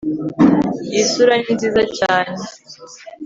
Iyi sura ni nziza cyane